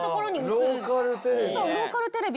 ローカルテレビ。